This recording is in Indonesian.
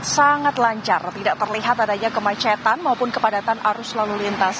sangat lancar tidak terlihat adanya kemacetan maupun kepadatan arus lalu lintas